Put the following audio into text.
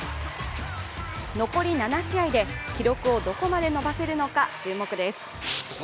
残り７試合で、記録をどこまで伸ばせるのか、注目です。